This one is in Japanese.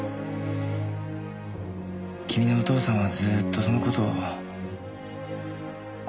君のお父さんはずっとその事を後悔してた。